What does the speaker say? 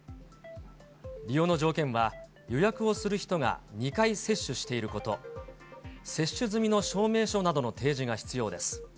利用の条件は、予約をする人が２回接種していること、接種済みの証明書などの提